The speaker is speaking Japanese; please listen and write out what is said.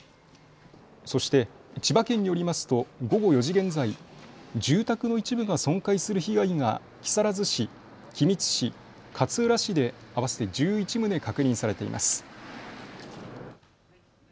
そして千葉県によりますと午後４時現在、住宅の一部が損壊する被害が木更津市、君津市、勝浦市で合わせて１１棟確認されています。